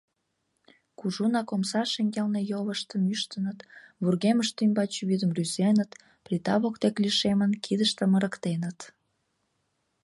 Кужунак омса шеҥгелне йолыштым ӱштыныт, вургемышт ӱмбач вӱдым рӱзеныт, плита воктек лишемын, кидыштым ырыктеныт.